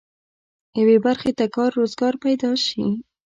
یوې برخې ته کار روزګار پيدا شي.